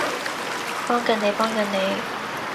幫緊你幫緊你